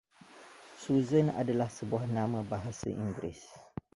Susan adalah sebuah nama bahasa Inggris.